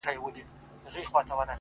ته راته ووایه چي څنگه به جنجال نه راځي،